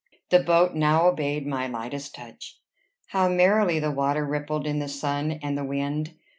The boat now obeyed my lightest touch. How merrily the water rippled in the sun and the wind!